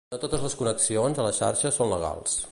No totes les connexions a la xarxa són legals.